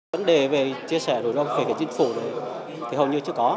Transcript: vấn đề về chia sẻ rủi ro về phía chính phủ thì hầu như chưa có